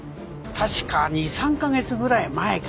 確か２３カ月ぐらい前かな。